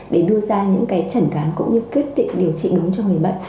để đưa ra những cái chẩn đoán cũng như kết định điều trị đúng cho người bệnh